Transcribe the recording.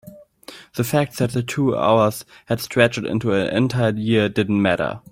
the fact that the two hours had stretched into an entire year didn't matter.